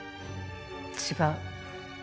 違う。